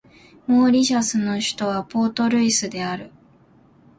モーリシャスの首都はポートルイスである